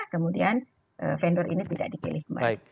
kemudian vendor ini tidak di pilih